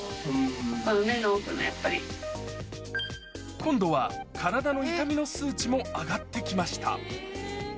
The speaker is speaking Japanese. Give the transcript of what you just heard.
今度は体の痛みの数値も上がってきました。